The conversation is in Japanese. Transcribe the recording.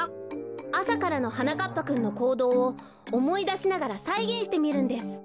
あさからのはなかっぱくんのこうどうをおもいだしながらさいげんしてみるんです。